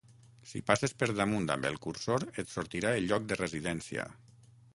Si passes per damunt amb el cursor et sortirà el lloc de residència.